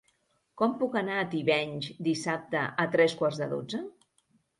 Com puc anar a Tivenys dissabte a tres quarts de dotze?